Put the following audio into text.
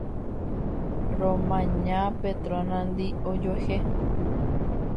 Romaña Petronandi ojuehe